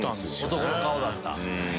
男の顔だった。